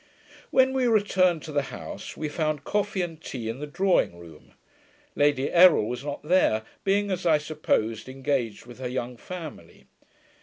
When we returned to the house we found coffee and tea in the drawing room. Lady Errol was not there, being, as I supposed, engaged with her young family.